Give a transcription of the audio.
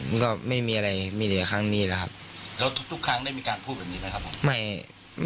มันก็ไม่มีอะไรไม่เหลือครั้งนี้นะครับแล้วทุกทุกครั้งได้มีการพูดแบบนี้ไหมครับผมไม่